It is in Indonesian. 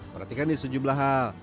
perhatikan ini sejumlah hal